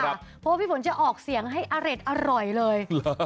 เพราะว่าพี่ฝนจะออกเสียงให้อเร็ดอร่อยเลย